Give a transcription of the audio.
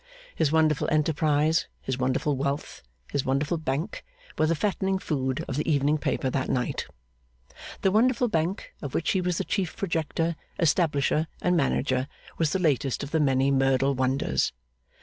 His wonderful enterprise, his wonderful wealth, his wonderful Bank, were the fattening food of the evening paper that night. The wonderful Bank, of which he was the chief projector, establisher, and manager, was the latest of the many Merdle wonders.